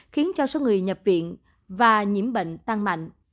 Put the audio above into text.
khiến cho số người nhập viện và nhiễm bệnh tăng mạnh